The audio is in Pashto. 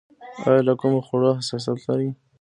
ایا له کومو خوړو حساسیت لرئ؟